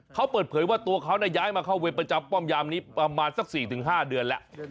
เขาเปิดเผยว่าตัวเขาย้ายมาเข้าเวรประจำป้อมยามนี้ประมาณสัก๔๕เดือนแล้ว